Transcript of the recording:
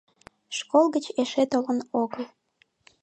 Школ гыч эше толын огыл.